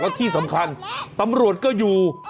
แล้วที่สำคัญตำรวจก็อยู่